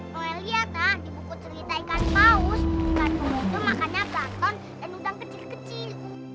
kau lihat di buku cerita ikan paus ikan paus itu makannya baton dan udang kecil kecil